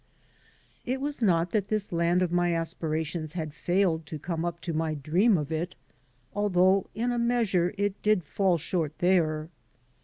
It was not that this land of my aspirations had failed to come up to my dream of it, although in a measure it did fall short there.